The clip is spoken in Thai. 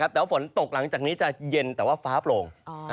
แต่ว่าฝนตกหลังจากนี้จะเย็นแต่ว่าฟ้าโปร่ง